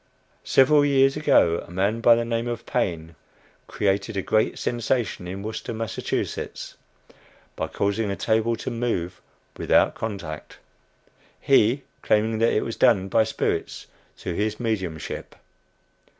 Several years ago, a man by the name of Paine created a great sensation in Worcester, Mass., by causing a table to move "without contact," he claiming that it was done by spirits through his "mediumship."